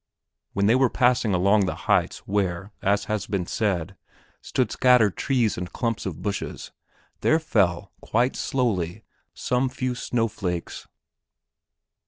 When they were passing along the heights where, as has been said, stood scattered trees and clumps of bushes there fell, quite slowly, some few snow flakes.